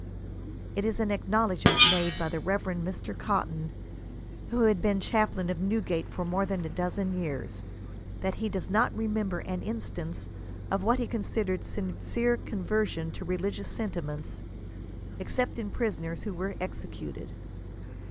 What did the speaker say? It is an ac knowledgement often made by "the Reverend Mr. Cotton, who had been chaplain of Newgate for more than a dozen years," that he does not remember an instance of what he considered sincere conversion to religious sentiments, except in prisoners who were executed.